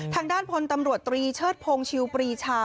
ทางด้านพลตำรวจตรีเชิดพงศ์ชิวปรีชา